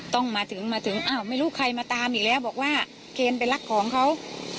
ต้องมาถึงมาถึงอ้าวไม่รู้ใครมาตามอีกแล้วบอกว่าเคนไปรักของเขา